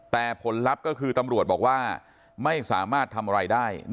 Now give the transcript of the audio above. แต่ผลลัพธ์ก็คือตำรวจบอกว่าไม่สามารถทำอะไรได้